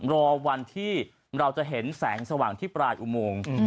รอวันที่เราจะเห็นแสงสว่างที่ปลายอุโมง